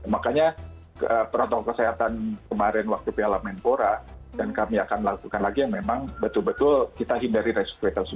makanya protokol kesehatan kemarin waktu piala menpora dan kami akan lakukan lagi yang memang betul betul kita hindari reskuit tersebut